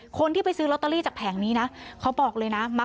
คนที่ไปซื้อลอตเตอรี่จากแผงนี้นะเขาบอกเลยนะ